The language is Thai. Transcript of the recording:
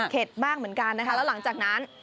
บ้างเหมือนกันนะคะแล้วหลังจากนั้น